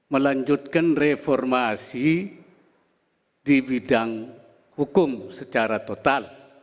melanjutkan reformasi di bidang hukum secara total